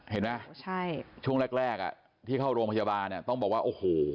เห็นไหมช่วงแรกที่เข้าโรงพยาบาลต้องบอกว่าโอ้โห